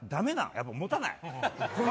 やっぱりもたない？